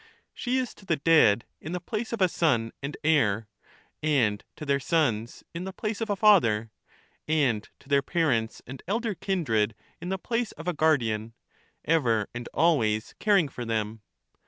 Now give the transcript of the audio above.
She is to the dead in the place of a son and heir, and to their sons in the place of a father, and to their parents and elder kindred in the place of a guardian — ever and always caring for them.